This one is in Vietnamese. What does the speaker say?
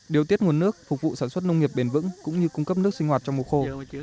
điều tiết nguồn nước phục vụ sản xuất nông nghiệp bền vững cũng như cung cấp nước sinh hoạt trong mùa khô